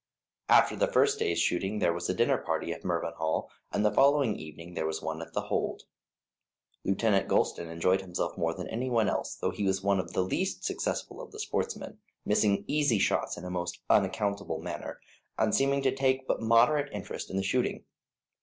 After the first day's shooting there was a dinner party at Mervyn Hall, and the following evening there was one at The Hold. Lieutenant Gulston enjoyed himself more than any one else, though he was one of the least successful of the sportsmen, missing easy shots in a most unaccountable manner, and seeming to take but moderate interest in the shooting.